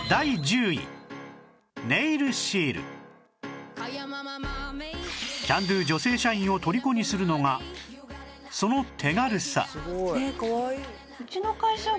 そんなキャンドゥ女性社員を虜にするのがその手軽さ